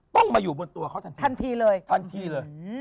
ต้องมาอยู่บนตัวเขาทันทีเลยทันทีเลย